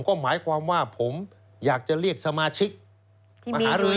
ก็หมายความว่าผมอยากจะเรียกสมาชิกมาหารือ